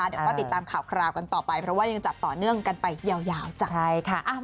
เดี๋ยวก็ติดตามข่าวคราวกันต่อไปเพราะว่ายังจัดต่อเนื่องกันไปยาวจ้ะ